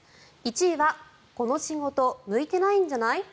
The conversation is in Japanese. １位は、この仕事向いてないんじゃない？